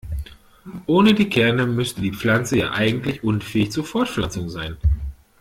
Ohne die Kerne müsste die Pflanze ja eigentlich unfähig zur Fortpflanzung sein.